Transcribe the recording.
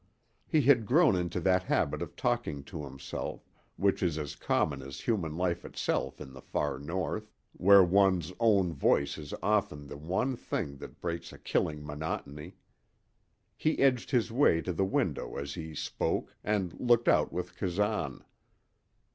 He had grown into that habit of talking to himself, which is as common as human life itself in the far north, where one's own voice is often the one thing that breaks a killing monotony. He edged his way to the window as he spoke and looked out with Kazan.